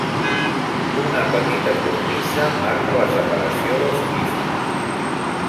Una petita cornisa marca la separació dels pisos.